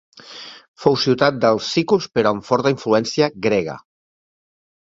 Fou ciutat dels sículs però amb forta influència grega.